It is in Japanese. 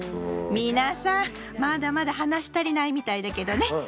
皆さんまだまだ話し足りないみたいだけどね。